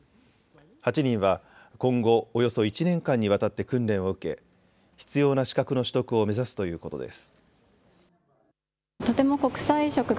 ８人は今後およそ１年間にわたって訓練を受け必要な資格の取得を目指すということです。